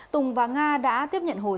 tùng và nga đã tiếp nhận hồ sơ